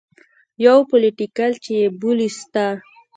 يو پوليټيکل چې يې بولي سته.